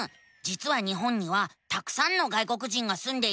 じつは日本にはたくさんの外国人がすんでいるのさ。